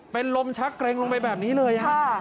เป็นลมชักเกร็งลงไปแบบนี้เลย